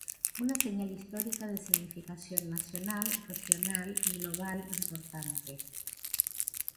Una señal histórica de significación nacional, regional y global importante.